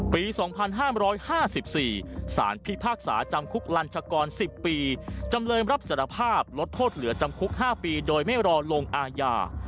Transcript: ปี๒๕๕๔สารพิพากษาจำคุกลัญชากร๑๐ปีจำเลยรับสารภาพลดโทษเหลือจำคุก๕ปีโดยไม่รอลงอาญา